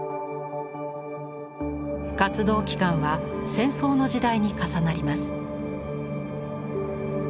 活動期間は戦争の時代に重なります。